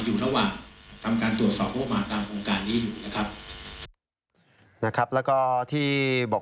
อยู่ระหว่างทำการตรวจสอบโภคมาตามโครงการนี้อยู่